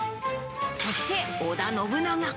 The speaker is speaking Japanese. そして、織田信長。